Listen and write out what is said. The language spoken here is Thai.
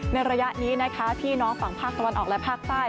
ระยะนี้นะคะพี่น้องฝั่งภาคตะวันออกและภาคใต้